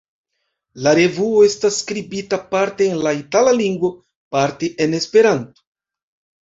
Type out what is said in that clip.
La revuo estas skribita parte en la Itala lingvo, parte en Esperanto.